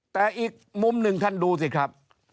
แต่อีกมุมหนึ่งท่านดูสิครับ